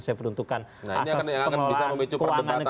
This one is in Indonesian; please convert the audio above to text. saya peruntukan asas kemauan keuangan negara yang baik